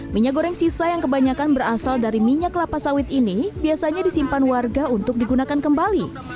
minyak goreng sisa yang kebanyakan berasal dari minyak kelapa sawit ini biasanya disimpan warga untuk digunakan kembali